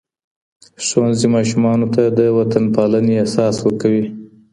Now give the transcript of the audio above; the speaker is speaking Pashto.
ښوونځي ماشومانو ته د وطنپالنې احساس ورکوي.